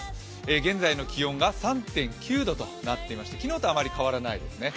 現在の気温が３．９度となっていまして昨日とあまり変わらないですね。